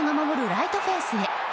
ライトフェンスへ。